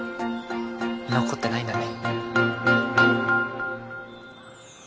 残ってないんだね？